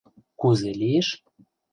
— Кузе лиеш?